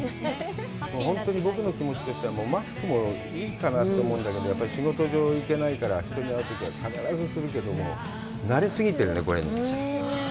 本当に僕の気持ちとしてはマスクもいいかなと思うんだけど、やっぱり仕事上いけないから人に会うときは必ずするけども、なれ過ぎてるね、これに。